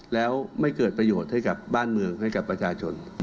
แล้วไม่เกิดประโยชน์ให้กับบ้านเมืองให้กับประชาชน